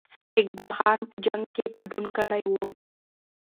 اقبال خان په جنګ کې ګډون کړی وو.